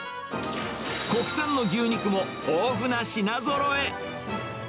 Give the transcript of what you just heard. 国産の牛肉も豊富な品ぞろえ。